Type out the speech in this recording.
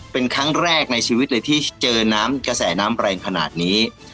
เป็นครั้งแรกในชีวิตเลยที่เจอน้ำกระแสน้ำแรงขนาดนี้